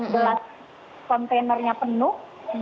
belas kontainernya penuh